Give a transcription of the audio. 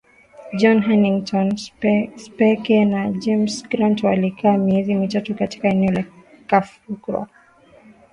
John Hannington Speke na James Grant walikaa miezi mitatu katika eneo la Kafuro